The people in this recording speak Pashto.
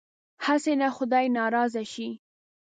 هسې نه خدای ناراضه شي.